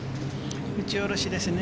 打ち下ろしですね。